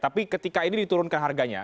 tapi ketika ini diturunkan harganya